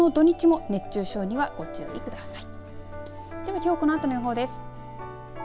この土日も熱中症にはご注意ください。